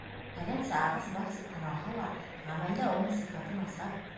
Фәләнсә ағас бар тип һаналһа ла, ғәмәлдә уның сифаты насар.